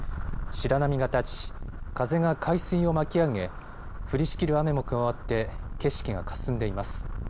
白波が立ち、風が海水を巻き上げ降りしきる雨も加わって景色がかすんでいます。